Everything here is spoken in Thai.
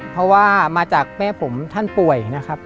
เพราะว่ามาจากแม่ผมท่านป่วยนะครับ